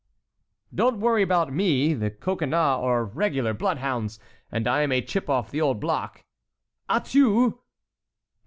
"Don't worry about me: the Coconnas are regular bloodhounds, and I am a chip off the old block." "Atieu."